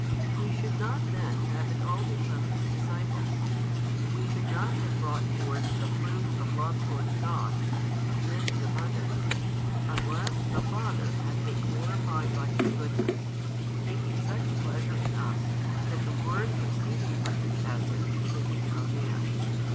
We should not then have at all become His disciples, we should not have brought forth the fruits of love towards God, and this in abundance, unless the Father had been glorified by His goodness, taking such pleasure in us, that the Word proceeding from His Essence should become Man.